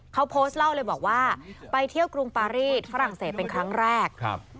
เขาโพสต์เล่าเลยบอกว่าไปเที่ยวกรุงปารีสฝรั่งเศสเป็นครั้งแรกครับ